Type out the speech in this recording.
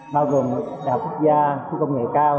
bao gồm đại học quốc gia khu công nghệ cao